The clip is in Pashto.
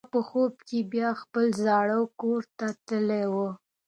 هغه په خوب کې بیا خپل زاړه کور ته تللې وه.